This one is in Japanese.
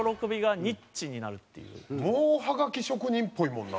もうハガキ職人っぽいもんな。